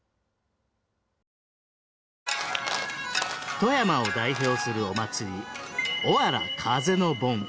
富山を代表するお祭りおわら風の盆。